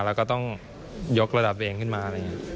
แล้วก็ต้องยกระดับเองขึ้นมา